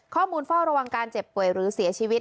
เฝ้าระวังการเจ็บป่วยหรือเสียชีวิต